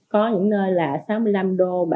có những nơi là sáu mươi năm đô